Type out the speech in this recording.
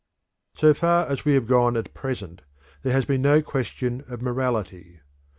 So far as we have gone at present, there has been no question of morality.